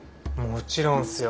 もちろんっすよ。